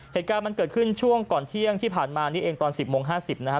เหตุการณ์มันเกิดขึ้นช่วงก่อนเที่ยงที่ผ่านมานี่เองตอน๑๐โมง๕๐นะฮะ